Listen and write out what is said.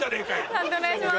判定お願いします。